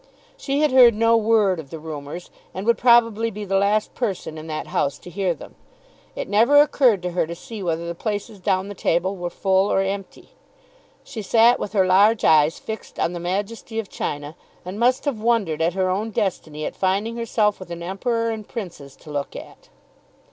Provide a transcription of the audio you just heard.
She had heard no word of the rumours, and would probably be the last person in that house to hear them. It never occurred to her to see whether the places down the table were full or empty. She sat with her large eyes fixed on the Majesty of China and must have wondered at her own destiny at finding herself with an Emperor and Princes to look at.